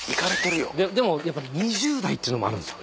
でもやっぱ２０代っていうのもあるんですよ。